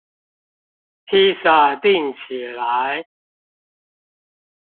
披薩訂起來